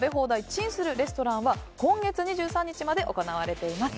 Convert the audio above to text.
「チン！するレストラン」は今月２３日まで行われています。